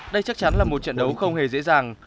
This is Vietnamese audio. đây chắc chắn là một trận đấu không hề dễ dàng